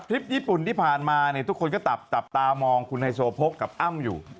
ญี่ปุ่นที่ผ่านมาเนี่ยทุกคนก็จับตามองคุณไฮโซโพกกับอ้ำอยู่